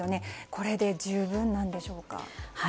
これで十分なんでしょうか。